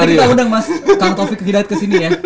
kita undang mas kang taufik hidayat kesini ya